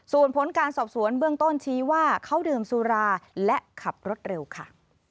ส่วนผลการสอบสวนเบื้องต้นชี้ว่าเขาดื่มสุราและขับรถเร็วค่ะ